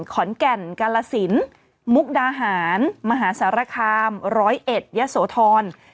ขอนแก่นกาลสินมุกดาหารมหาสารคาม๑๐๑ยะโสธร